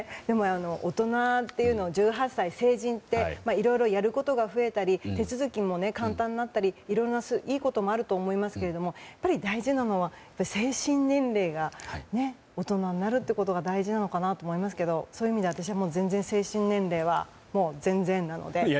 大人っていうのを１８歳、成人っていろいろやることが増えたり手続きも簡単になったりいろいろ、いいこともあると思いますけれどもやっぱり大事なのは精神年齢が大人になるということが大事なのかなと思いますけどそういう意味では、私は精神年齢は全然なので。